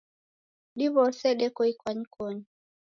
Diw'ose deko ikwanyikonyi